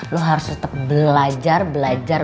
lo harus tetep belajar